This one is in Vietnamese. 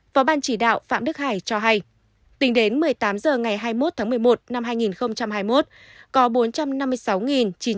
võ ban chỉ đạo phạm đức hải cho hay tính đến một mươi tám h ngày hai mươi một một mươi một hai nghìn hai mươi một